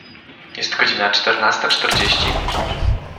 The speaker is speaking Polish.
Jest godzina czternasta czterdzieści.